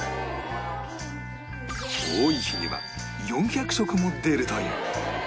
多い日には４００食も出るという